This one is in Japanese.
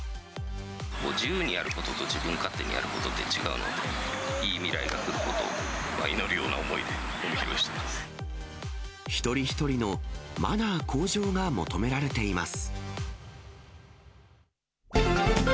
自由にやることと、自分勝手にやることって違うので、いい未来が来ることを祈るような一人一人のマナー向上が求められています。